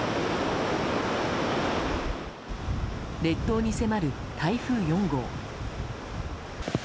列島に迫る台風４号。